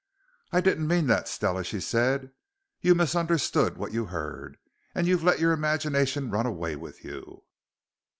"I didn't mean that, Stella," she said. "You misunderstood what you heard, and you've let your imagination run away with you."